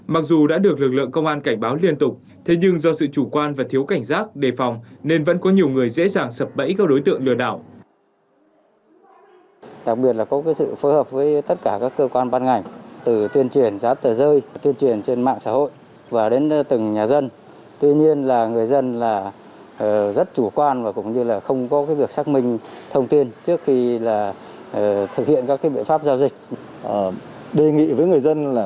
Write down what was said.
mặc dù đã được lực lượng công an cảnh báo liên tục thế nhưng do sự chủ quan và thiếu cảnh giác đề phòng nên vẫn có nhiều người dễ dàng sập bẫy các đối tượng lừa đảo